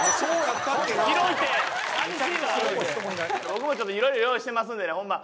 僕もちょっといろいろ用意してますんでねホンマ